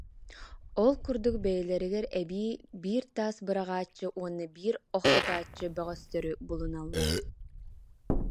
Ол курдук бэйэлэригэр эбии биир таас быраҕааччы уонна биир ох ытааччы бөҕөстөрү булуналлар